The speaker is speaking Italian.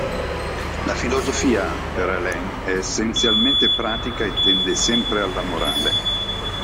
La filosofia, per Alain è essenzialmente pratica e tende sempre alla morale.